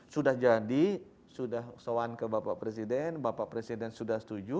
sudah jadi sudah soan ke bapak presiden bapak presiden sudah setuju